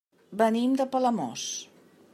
Venim de Palamós.